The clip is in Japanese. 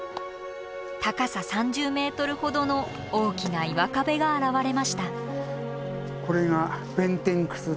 高さ３０ｍほどの大きな岩壁が現れました。